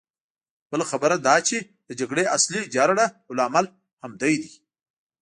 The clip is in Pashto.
بله خبره دا چې د جګړې اصلي جرړه او لامل همدی دی.